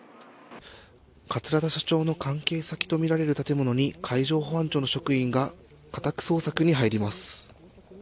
桂田社長の関係先とみられる建物に海上保安庁の職員が家宅捜索に入ります。